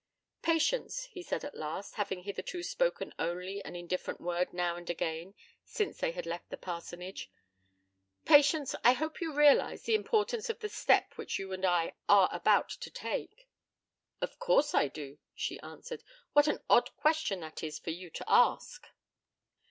'Patience,' he said at last, having hitherto spoken only an indifferent word now and again since they had left the parsonage, 'Patience, I hope you realize the importance of the step which you and I are about to take?' 'Of course I do,' she answered: 'what an odd question that is for you to ask!'